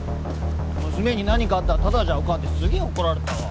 「娘に何かあったらただじゃおかん」ってすげえ怒られたわ。